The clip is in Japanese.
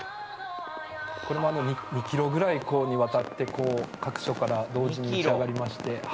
これは２ｋｍくらいにわたって各所から同時に上がりまして。